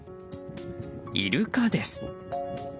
イルカです。